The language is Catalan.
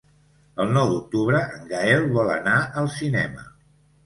El nou d'octubre en Gaël vol anar al cinema.